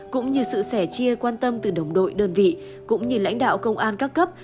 cũng như sự sẻ chia quan tâm từ đồng đội đơn vị cũng như lãnh đạo công an các cấp